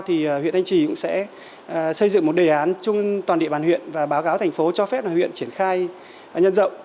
thì huyện thanh trì cũng sẽ xây dựng một đề án chung toàn địa bàn huyện và báo cáo thành phố cho phép huyện triển khai nhân rộng